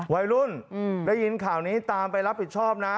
วัยรุ่นได้ยินข่าวนี้ตามไปรับผิดชอบนะ